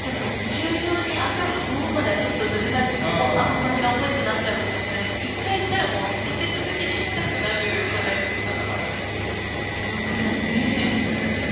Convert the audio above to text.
球場に足を運ぶまでは腰が重くなっちゃうかもしれないですけど１回行ったらもう立て続けに行きたくなるじゃないですか。